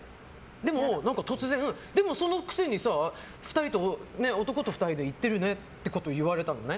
でも突然、その癖に男と２人で行ってるねって言われたのね。